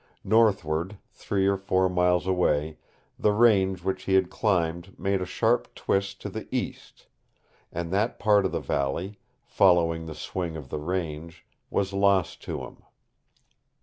Northward, three or four miles away the range which he had climbed made a sharp twist to the east, and that part of the valley following the swing of the range was lost to him.